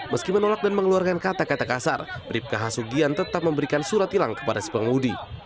meski menolak dan mengeluarkan kata kata kasar bribkaha sugian tetap memberikan surat hilang kepada si pengemudi